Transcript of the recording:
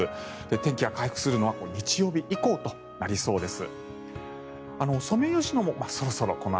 天気が回復するのは日曜日以降となりそうです。